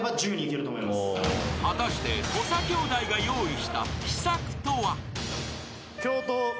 ［果たして土佐兄弟が用意した秘策とは］